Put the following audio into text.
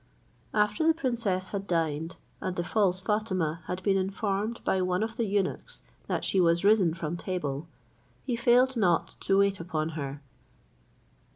After the princess had dined, and the false Fatima had been informed by one of the eunuchs that she was risen from table, he failed not to wait upon her.